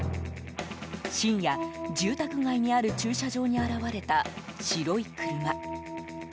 深夜、住宅街にある駐車場に現れた白い車。